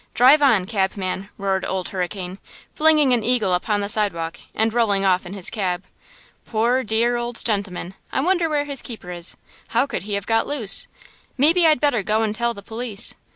Drive on, cabman!" roared Old Hurricane, flinging an eagle upon the sidewalk and rolling off in his cab. "Poor dear, old gentleman! I wonder where his keeper is? How could he have got loose? Maybe I'd better go and tell the police!